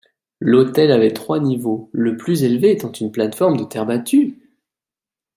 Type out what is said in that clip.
L’autel avait trois niveaux, le plus élevé étant une plateforme de terre battue.